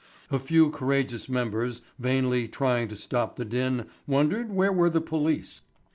A few courageous members vainly trying to stop the din wondered where were the police.